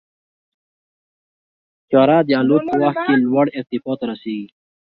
طیاره د الوت په وخت کې لوړ ارتفاع ته رسېږي.